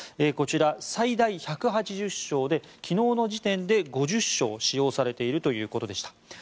こちら、最大１８０床で昨日の時点で５０床、使用されているということでした。